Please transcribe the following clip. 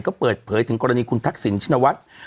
ก็เปิดเผยถึงกรณีคุณทักษิณชินวัฒน์